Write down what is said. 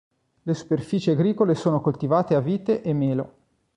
Le superfici agricole sono coltivate a vite e melo.